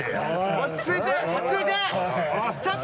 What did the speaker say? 落ち着いて！